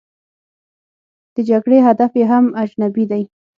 د جګړې هدف یې هم اجنبي دی.